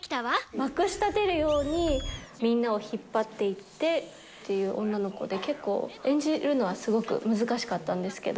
まくしたてるようにみんなを引っ張っていってっていう女の子で、結構、演じるのはすごく難しかったんですけど。